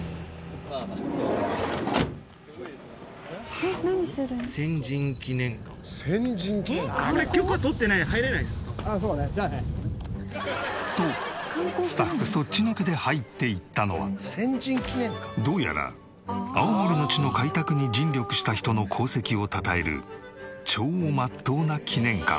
「えっ何するの？」とスタッフそっちのけで入っていったのはどうやら青森の地の開拓に尽力した人の功績をたたえる超まっとうな記念館。